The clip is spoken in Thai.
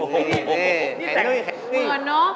เหมือนเนอะ